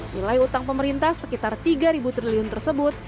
nilai utang pemerintah sekitar tiga triliun tersebut